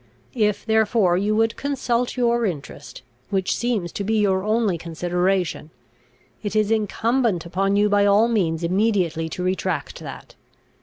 If therefore you would consult your interest, which seems to be your only consideration, it is incumbent upon you by all means immediately to retract that.